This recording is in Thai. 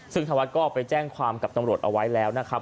ซึ่งธวัดก็ไปแจ้งความกับตำรวจเอาไว้แล้วนะครับ